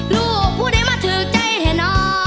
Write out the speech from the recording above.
รู้หัวพูดเอ๊ะมาถือกใจเทหนอ